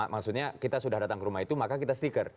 maksudnya kita sudah datang ke rumah itu maka kita stiker